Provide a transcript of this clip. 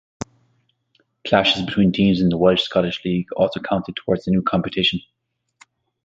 Clashes between teams in the Welsh-Scottish League also counted towards the new competition.